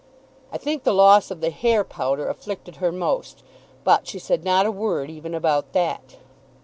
I think the loss of the hair powder afflicted her most; but she said not a word even about that.